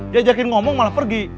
dia ajakin ngomong malah pergi